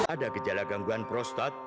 ada gejala gangguan prostat